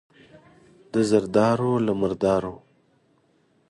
د زردارو، له مردارو.